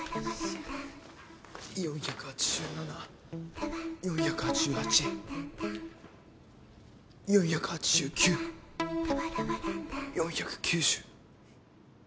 ４８７４８８４８９４９０！